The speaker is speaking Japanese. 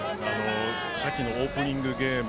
さっきのオープニングゲーム